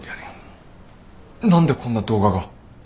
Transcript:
何でこんな動画が。